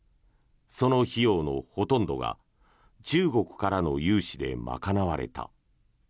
その費用のほとんどが中国からの融資で賄われた。